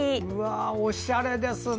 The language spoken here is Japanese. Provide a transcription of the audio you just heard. おしゃれですね！